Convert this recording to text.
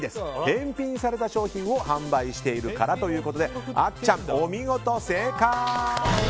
返品された商品を販売しているからということであっちゃん、お見事、正解！